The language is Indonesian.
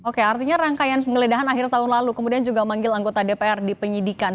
oke artinya rangkaian penggeledahan akhir tahun lalu kemudian juga manggil anggota dpr di penyidikan